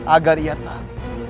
agar ia tahu